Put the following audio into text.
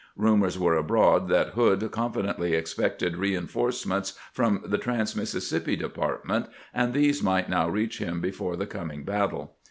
Eumors were abroad that Hood confidently expected reinforcements from the Trans Mississippi Department, and these might now reach him before the coming battle.